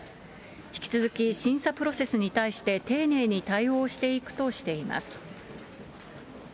引き続き、審査プロセスに対して丁寧に対応していくとしています。